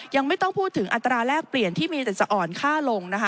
ยังไม่ต้องพูดถึงอัตราแรกเปลี่ยนที่มีแต่จะอ่อนค่าลงนะคะ